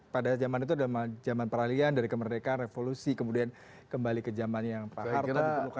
pada zaman itu adalah zaman peralihan dari kemerdekaan revolusi kemudian kembali ke zaman yang pak arto